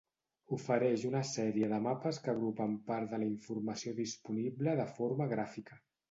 Ofereix una sèrie de mapes que agrupen part de la informació disponible de forma gràfica.